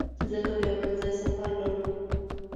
ځکه بیا بل ځای سفر لرو.